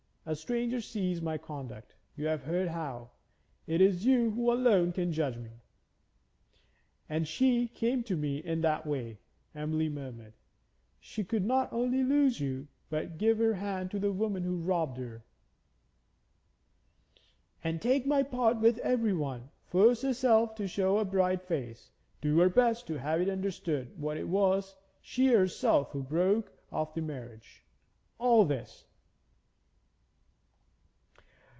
A stranger sees my conduct you have heard how. It is you who alone can judge me.' 'And she came to me in that way,' Emily murmured. 'She could not only lose you, but give her hand to the woman who robbed her!' 'And take my part with everyone, force herself to show a bright face, do her best to have it understood that it was she herself who broke off the marriage all this.'